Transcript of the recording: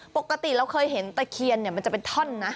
ปกติเราเคยเห็นตะเคียนมันจะเป็นท่อนนะ